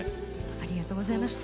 ありがとうございます。